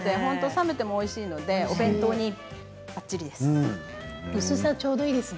冷めてもおいしいのでお弁当にばっちりです。